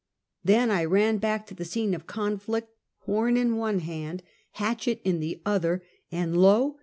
Then I ran back to the scene of conflict, horn in one hand, hatchet in the other, and lo!